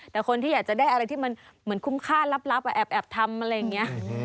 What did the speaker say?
แต่คนที่อยากจะได้อะไรที่มันเหมือนคุ้มค่าลับแอบทำอะไรอย่างนี้